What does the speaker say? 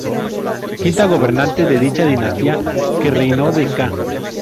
Quinta gobernante de dicha dinastía, que reinó de ca.